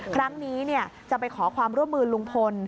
ครั้งนี้จะไปขอความร่วมมือลุงพล